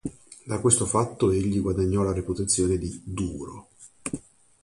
Da questo fatto egli guadagnò la reputazione di "duro".